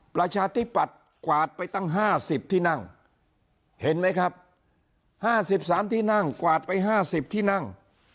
ประชาธิปัตย์กวาดไปตั้ง๕๐ที่นั่งเห็นไหมครับ๕๓ที่นั่งกวาดไป๕๐ที่นั่ง